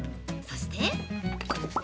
そして。